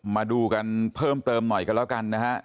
มาดูกันเพิ่มเติมหน่อยกันแล้วกันนะฮะ